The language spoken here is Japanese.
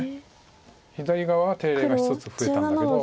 左側は手入れが１つ増えたんだけど。